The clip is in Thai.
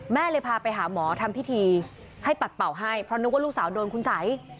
แม่เลยพาไปหาหมอทำพิธีให้ปัดเป่าให้เพราะนึกว่าลูกสาวโดนคุณสัย